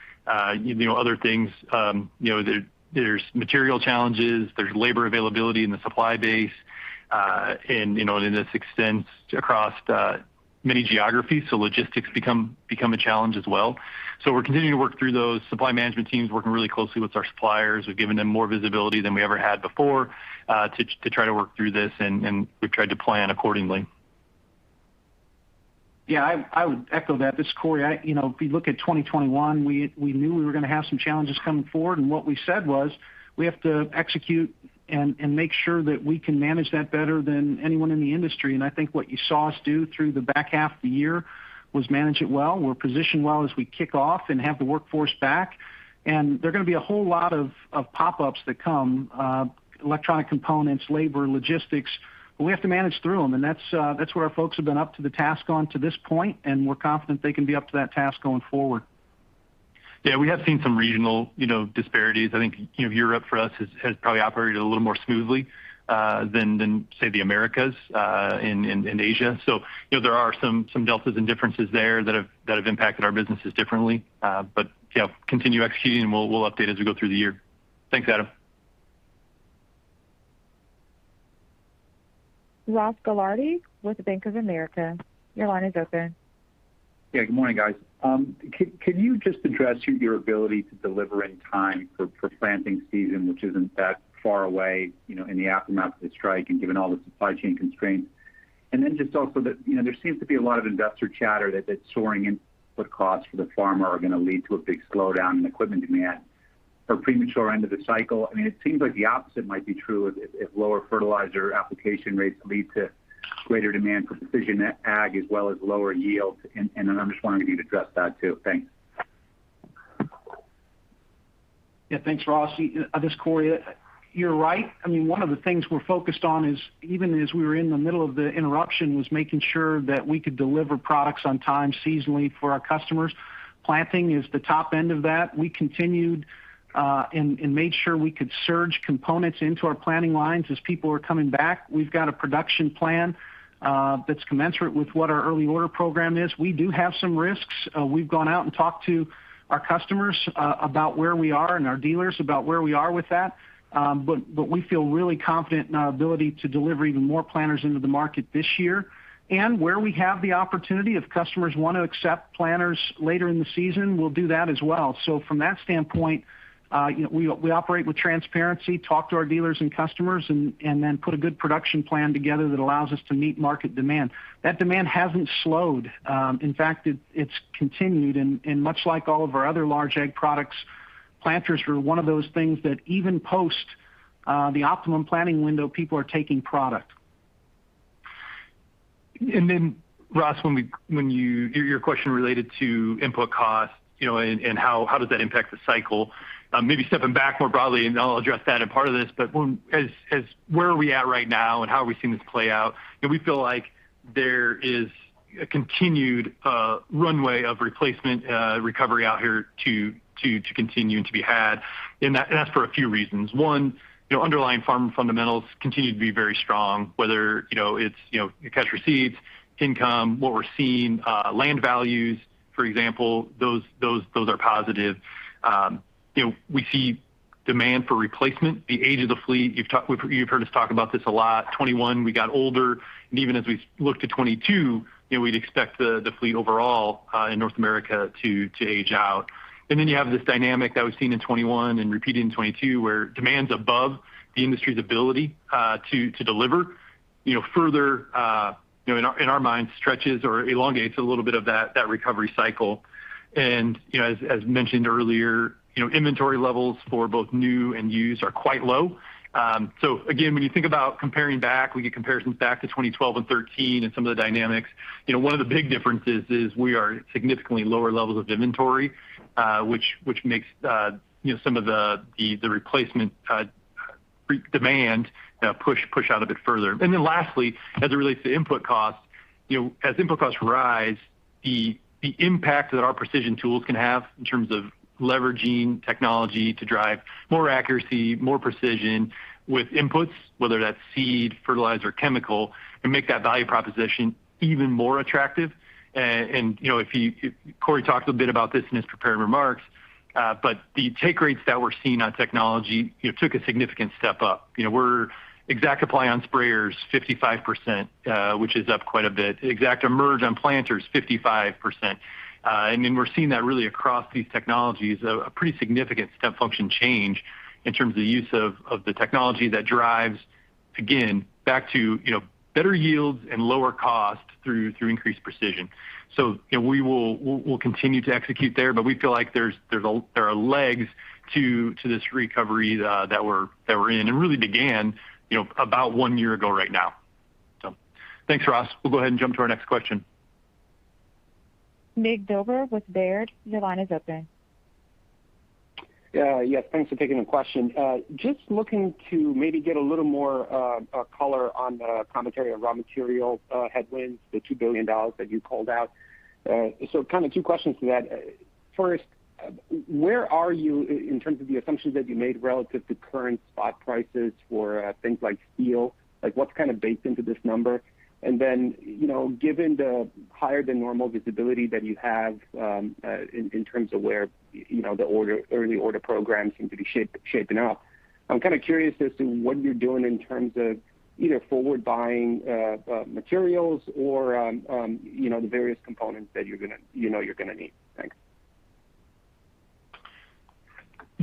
You know, other things, you know, there's material challenges. There's labor availability in the supply base. This extends across many geographies. Logistics become a challenge as well. We're continuing to work through those. Supply management team is working really closely with our suppliers. We've given them more visibility than we ever had before, to try to work through this, and we've tried to plan accordingly. Yeah. I would echo that. This is Cory. You know, if you look at 2021, we knew we were gonna have some challenges coming forward. What we said was, we have to execute and make sure that we can manage that better than anyone in the industry. I think what you saw us do through the back half of the year was manage it well. We're positioned well as we kick off and have the workforce back. There are gonna be a whole lot of pop-ups that come, electronic components, labor, logistics. But we have to manage through them. That's where our folks have been up to the task up to this point, and we're confident they can be up to that task going forward. Yeah, we have seen some regional, you know, disparities. I think, you know, Europe for us has probably operated a little more smoothly than say the Americas and Asia. You know, there are some deltas and differences there that have impacted our businesses differently. Continue executing, and we'll update as we go through the year. Thanks, Adam. Ross Gilardi with Bank of America. Your line is open. Yeah. Good morning, guys. Can you just address your ability to deliver in time for planting season, which isn't that far away, you know, in the aftermath of the strike and given all the supply chain constraints. Then just also the. You know, there seems to be a lot of investor chatter that soaring input costs for the farmer are gonna lead to a big slowdown in equipment demand or premature end of the cycle. I mean, it seems like the opposite might be true if lower fertilizer application rates lead to greater demand for precision ag as well as lower yields. I'm just wondering if you'd address that too. Thanks. Yeah. Thanks, Ross. This is Cory. You're right. I mean, one of the things we're focused on is even as we were in the middle of the interruption, was making sure that we could deliver products on time seasonally for our customers. Planting is the top end of that. We continued and made sure we could surge components into our planting lines as people were coming back. We've got a production plan that's commensurate with what our early order program is. We do have some risks. We've gone out and talked to our customers about where we are and our dealers about where we are with that. But we feel really confident in our ability to deliver even more planters into the market this year. Where we have the opportunity, if customers wanna accept planters later in the season, we'll do that as well. From that standpoint, you know, we operate with transparency, talk to our dealers and customers and then put a good production plan together that allows us to meet market demand. That demand hasn't slowed. In fact, it's continued. Much like all of our other large ag products, planters are one of those things that even post the optimum planting window, people are taking product. Ross, your question related to input costs, you know, and how does that impact the cycle? Maybe stepping back more broadly, and I'll address that in part of this. But when... As where are we at right now and how are we seeing this play out, and we feel like there is a continued runway of replacement recovery out here to continue and to be had. That's for a few reasons. One, you know, underlying farm fundamentals continue to be very strong. Whether you know it's you know cash receipts, income, what we're seeing land values, for example, those are positive. You know, we see demand for replacement. The age of the fleet, you've heard us talk about this a lot. 2021, we got older, and even as we look to 2022, you know, we'd expect the fleet overall in North America to age out. Then you have this dynamic that we've seen in 2021 and repeated in 2022, where demand's above the industry's ability to deliver. You know, further, you know, in our minds, stretches or elongates a little bit of that recovery cycle. You know, as mentioned earlier, you know, inventory levels for both new and used are quite low. So again, when you think about comparing back, we get comparisons back to 2012 and 2013 and some of the dynamics. You know, one of the big differences is we are at significantly lower levels of inventory, which makes, you know, some of the replacement demand push out a bit further. Then lastly, as it relates to input costs, you know, as input costs rise, the impact that our precision tools can have in terms of leveraging technology to drive more accuracy, more precision with inputs, whether that's seed, fertilizer, chemical, can make that value proposition even more attractive. And you know, if you Cory talked a bit about this in his prepared remarks. But the take rates that we're seeing on technology, you know, took a significant step up. You know, we're ExactApply on sprayers, 55%, which is up quite a bit. ExactEmerge on planters, 55%. And then we're seeing that really across these technologies, a pretty significant step function change in terms of the use of the technology that drives, again, back to, you know, better yields and lower cost through increased precision. You know, we'll continue to execute there, but we feel like there are legs to this recovery that we're in, and really began, you know, about one year ago right now. Thanks, Ross. We'll go ahead and jump to our next question. Mircea Dobre with Baird. Your line is open. Yes, thanks for taking the question. Just looking to maybe get a little more color on the commentary of raw material headwinds, the $2 billion that you called out. Kind of two questions to that. First, where are you in terms of the assumptions that you made relative to current spot prices for things like steel? Like, what's kind of baked into this number? And then, you know, given the higher than normal visibility that you have in terms of where, you know, the early order program seems to be shaping up, I'm kinda curious as to what you're doing in terms of either forward buying materials or you know, the various components that you're gonna need. Thanks.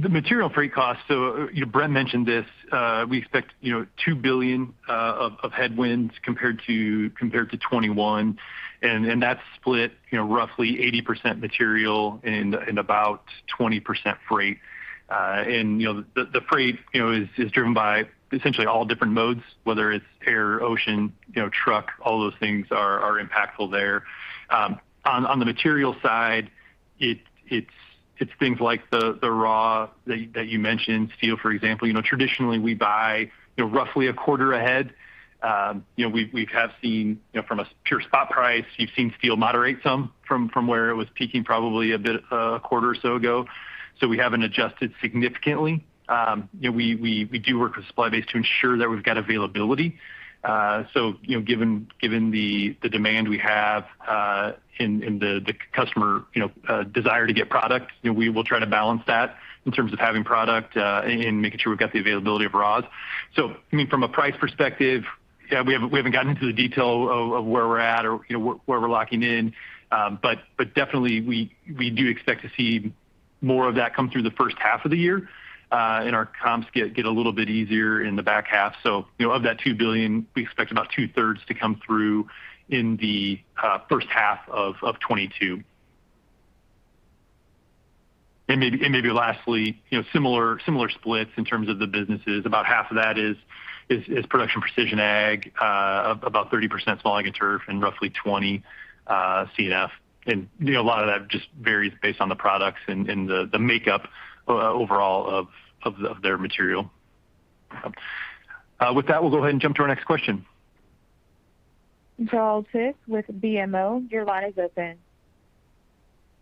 The material freight cost, you know, Brent mentioned this. We expect, you know, $2 billion of headwinds compared to 2021, and that's split, you know, roughly 80% material and about 20% freight. You know, the freight is driven by essentially all different modes, whether it's air, ocean, you know, truck, all those things are impactful there. On the material side, it's things like the raw that you mentioned, steel, for example. You know, traditionally we buy, you know, roughly a quarter ahead. You know, we've seen, you know, from a pure spot price, you've seen steel moderate some from where it was peaking probably a bit a quarter or so ago. We haven't adjusted significantly. You know, we do work with supply base to ensure that we've got availability. You know, given the demand we have, and the customer you know, desire to get product, you know, we will try to balance that in terms of having product, and making sure we've got the availability of raws. I mean, from a price perspective. Yeah, we haven't gotten into the detail of where we're at or, you know, where we're locking in. But definitely we do expect to see more of that come through the first half of the year, and our comps get a little bit easier in the back half. You know, of that $2 billion, we expect about two-thirds to come through in the first half of 2022. Maybe lastly, you know, similar splits in terms of the businesses. About half of that is Production Precision Ag, about 30% Small Ag and Turf, and roughly 20% C&F. You know, a lot of that just varies based on the products and the makeup overall of their material. With that, we'll go ahead and jump to our next question. Joel Tiss with BMO, your line is open.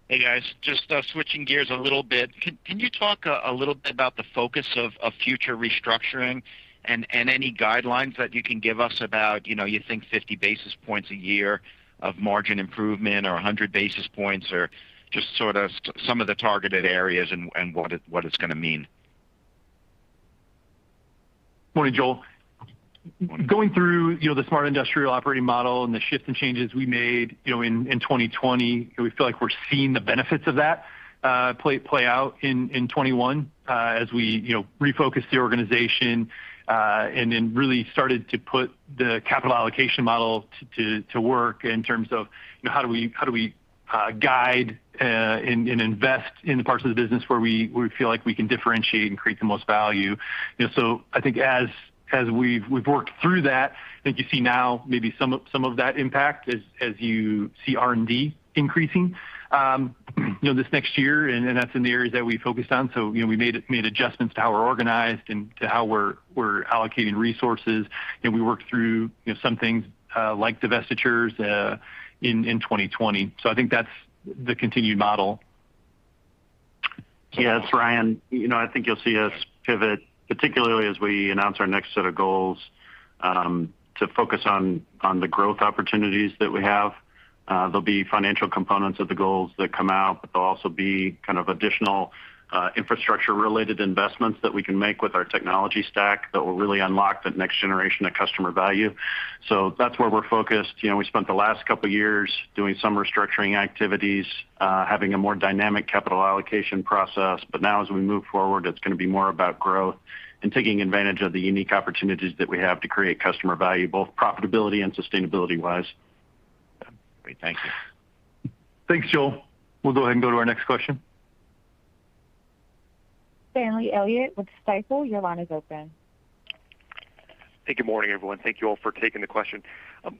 Hey, guys. Just switching gears a little bit. Can you talk a little bit about the focus of future restructuring and any guidelines that you can give us about, you know, you think 50 basis points a year of margin improvement or 100 basis points or just sort of some of the targeted areas and what it's gonna mean? Morning, Joel. Morning. Going through, you know, the Smart Industrial operating model and the shifts and changes we made, you know, in 2020, and we feel like we're seeing the benefits of that play out in 2021, as we, you know, refocused the organization, and then really started to put the capital allocation model to work in terms of, you know, how do we guide and invest in the parts of the business where we feel like we can differentiate and create the most value. You know, so I think as we've worked through that, I think you see now maybe some of that impact as you see R&D increasing, you know, this next year, and that's in the areas that we focused on. You know, we made adjustments to how we're organized and to how we're allocating resources. You know, we worked through, you know, some things like divestitures in 2020. I think that's the continued model. Yes, Ryan. You know, I think you'll see us pivot, particularly as we announce our next set of goals to focus on the growth opportunities that we have. There'll be financial components of the goals that come out, but there'll also be kind of additional infrastructure related investments that we can make with our technology stack that will really unlock the next generation of customer value. So that's where we're focused. You know, we spent the last couple years doing some restructuring activities, having a more dynamic capital allocation process. Now as we move forward, it's gonna be more about growth and taking advantage of the unique opportunities that we have to create customer value, both profitability and sustainability wise. Great. Thank you. Thanks, Joel. We'll go ahead and go to our next question. Stanley Elliott with Stifel, your line is open. Hey, good morning, everyone. Thank you all for taking the question.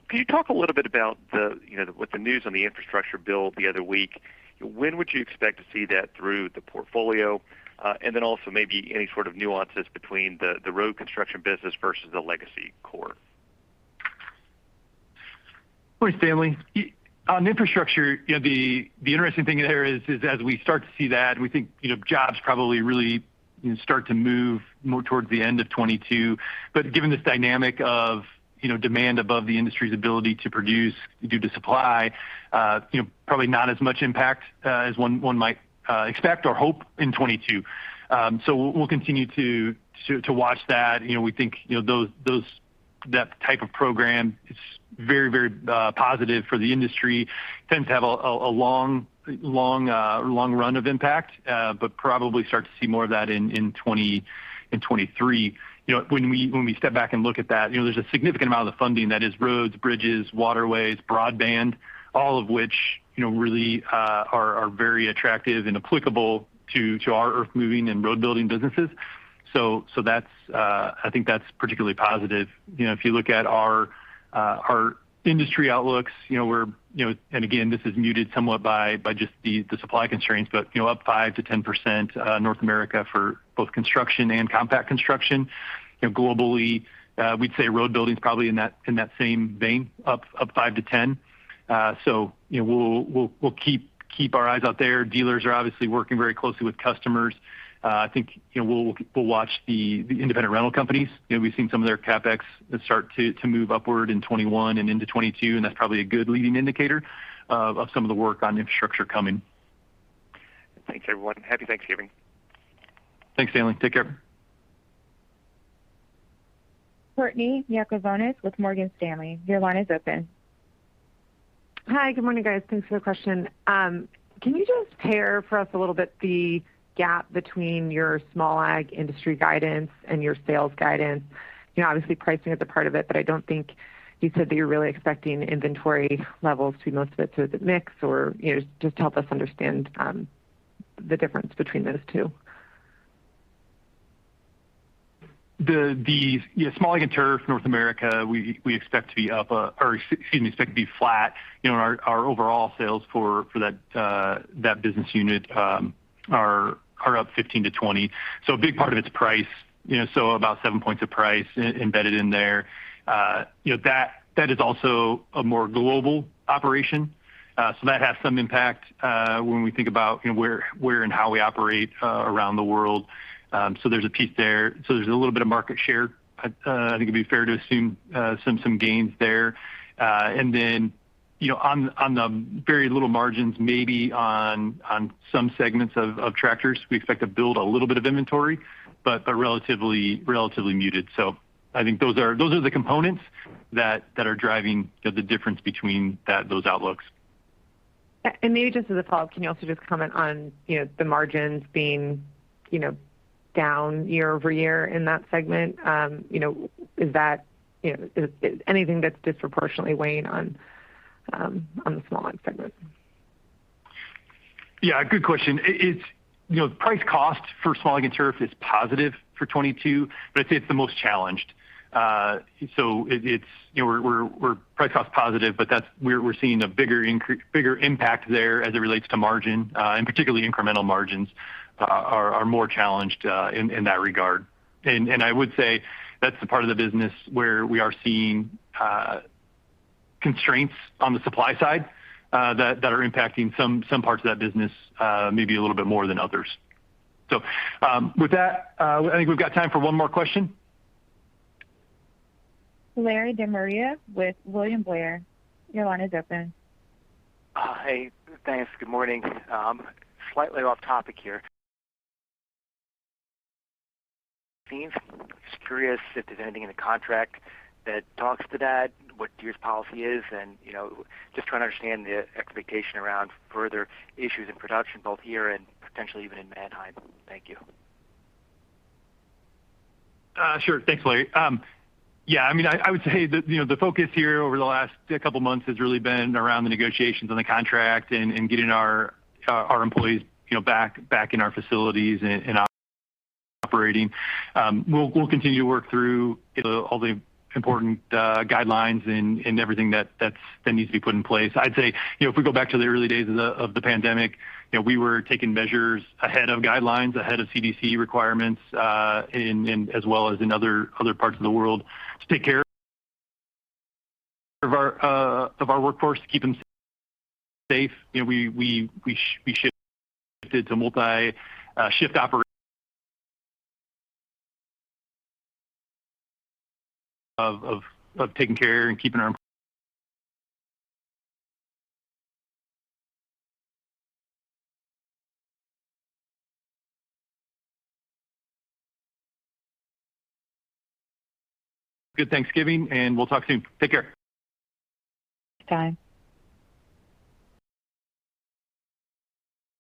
Can you talk a little bit about the, you know, with the news on the infrastructure bill the other week, when would you expect to see that through the portfolio? And then also maybe any sort of nuances between the road construction business versus the legacy core. Morning, Stanley. On infrastructure, you know, the interesting thing there is as we start to see that, we think, you know, jobs probably really start to move more towards the end of 2022. Given this dynamic of, you know, demand above the industry's ability to produce due to supply, you know, probably not as much impact as one might expect or hope in 2022. We'll continue to watch that. You know, we think, you know, that type of program is very positive for the industry. Tends to have a long run of impact, but probably start to see more of that in 2023. You know, when we step back and look at that, you know, there's a significant amount of the funding that is roads, bridges, waterways, broadband, all of which, you know, really are very attractive and applicable to our earth moving and road building businesses. I think that's particularly positive. You know, if you look at our industry outlooks, you know, we're up 5%-10%, North America for both construction and compact construction. This is muted somewhat by just the supply constraints, but, you know, up 5%-10%. You know, globally, we'd say road building's probably in that same vein, up 5%-10%. You know, we'll keep our eyes out there. Dealers are obviously working very closely with customers. I think, you know, we'll watch the independent rental companies. You know, we've seen some of their CapEx start to move upward in 2021 and into 2022, and that's probably a good leading indicator of some of the work on infrastructure coming. Thanks, everyone. Happy Thanksgiving. Thanks, Stanley. Take care. Courtney Yakavonis with Morgan Stanley, your line is open. Hi, good morning, guys. Thanks for the question. Can you just compare for us a little bit the gap between your small ag industry guidance and your sales guidance? You know, obviously pricing is a part of it, but I don't think you said that you're really expecting inventory levels to be most of it to the mix or, you know, just to help us understand, the difference between those two. Small Ag and Turf North America, we expect to be flat. You know, our overall sales for that business unit are up 15%-20%. So a big part of it's price, you know, so about 7 points of price embedded in there. You know, that is also a more global operation. So that has some impact when we think about, you know, where and how we operate around the world. So there's a piece there. So there's a little bit of market share. I think it'd be fair to assume some gains there. You know, on the very little margins maybe on some segments of tractors. We expect to build a little bit of inventory, but a relatively muted. I think those are the components that are driving the difference between those outlooks. Maybe just as a follow-up, can you also just comment on, you know, the margins being, you know, down year-over-year in that segment? You know, is that, you know, is anything that's disproportionately weighing on the small end segment? Yeah, good question. It's, you know, price-cost for Small Ag and Turf is positive for 2022, but I'd say it's the most challenged. It's, you know, we're price-cost positive, but that's where we're seeing a bigger impact there as it relates to margin, and particularly incremental margins are more challenged in that regard. I would say that's the part of the business where we are seeing constraints on the supply side that are impacting some parts of that business maybe a little bit more than others. With that, I think we've got time for one more question. Larry De Maria with William Blair. Your line is open. Hi. Thanks. Good morning. Slightly off topic here. I'm curious if there's anything in the contract that talks to that, what Deere's policy is, and, you know, just trying to understand the expectation around further issues in production both here and potentially even in Mannheim. Thank you. Sure. Thanks, Larry. Yeah, I mean, I would say that, you know, the focus here over the last couple months has really been around the negotiations on the contract and getting our employees, you know, back in our facilities and operating. We'll continue to work through all the important guidelines and everything that needs to be put in place. I'd say, you know, if we go back to the early days of the pandemic, you know, we were taking measures ahead of guidelines, ahead of CDC requirements, in as well as in other parts of the world to take care of our workforce, to keep them safe. You know, we shifted to multi shift operation of taking care and keeping our good Thanksgiving, and we'll talk soon. Take care. Thanks. Bye.